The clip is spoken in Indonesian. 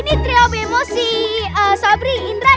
itu itu kayak sobres deh